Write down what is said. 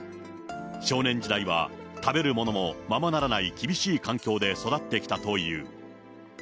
少年時代は食べるものもままならない厳しい環境で育ってきたという。